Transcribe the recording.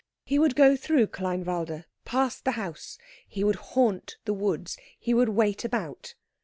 He would go through Kleinwalde, past the house; he would haunt the woods; he would wait about.